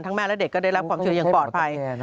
ทั้งแม่และเด็กก็ได้รับความเชื่ออย่างปลอดภัย